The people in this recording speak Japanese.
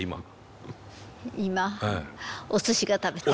今お寿司が食べたい。